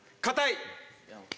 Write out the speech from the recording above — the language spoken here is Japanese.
かたい！